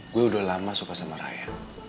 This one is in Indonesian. gue udah lama suka sama raya